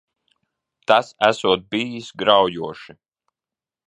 Tas esot bijis graujoši.